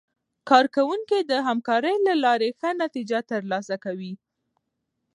کارکوونکي د همکارۍ له لارې ښه نتیجه ترلاسه کوي